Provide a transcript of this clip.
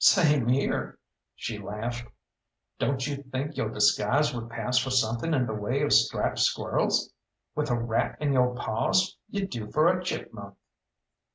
"Same here," she laughed. "Don't you think yo' disguise would pass for something in the way of striped squir'ls? With a rat in yo' paws you'd do for a chipmunk."